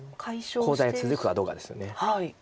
コウ材が続くかどうかです。